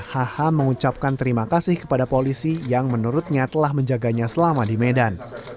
hh mengucapkan terima kasih kepada polisi yang menurutnya telah menjaganya selama di medan